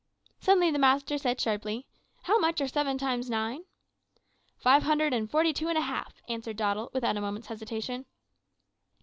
"Suddenly the master said sharply, `How much are seven times nine?' "`Five hundred and forty two and a half,' answered Doddle, without a moment's hesitation.